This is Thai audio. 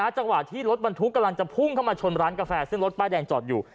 จังหวะที่รถบรรทุกกำลังจะพุ่งเข้ามาชนร้านกาแฟซึ่งรถป้ายแดงจอดอยู่